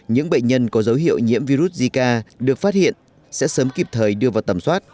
những bệnh nhân có dấu hiệu nhiễm virus zika được phát hiện sẽ sớm kịp thời đưa vào tầm soát